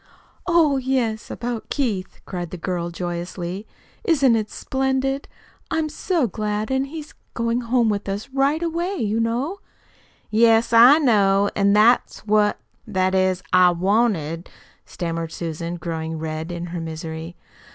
"Oh, yes, about Keith," cried the girl joyously. "Isn't it splendid! I'm so glad! And he's going home with us right away, you know." "Yes, I know. An' that's what that is, I wanted " stammered Susan, growing red in her misery.